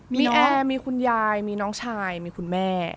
มีแอร์มีคุณยายมีน้องชายมีคุณแม่